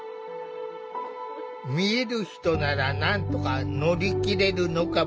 見える人ならなんとか乗り切れるのかもしれない。